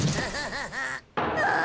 ああ！